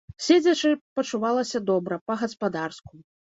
Седзячы, пачувалася добра, па-гаспадарску.